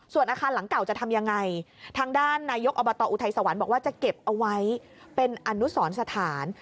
ส่วนอาคารหลังเก่าจะทำยังไงทางด้านนายกอบตอุทัยสวรรค์บอกว่าจะเก็บเอาไว้เป็นอนุสรสถาน